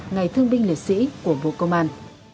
ngày thương binh liệt sĩ của bộ công an